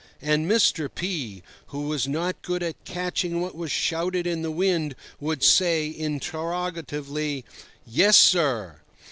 And Mr. P—, who was not good at catching what was shouted in the wind, would say interrogatively: "Yes, sir?"